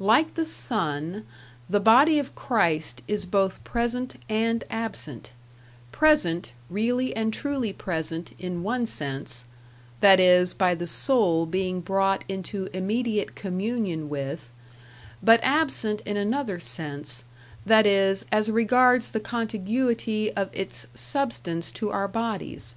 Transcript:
Like the Sun, the Body of Christ is both present and absent; present, really and truly present, in one sense that is, by the soul being brought into immediate communion with but absent in another sense that is, as regards the contiguity of its substance to our bodies.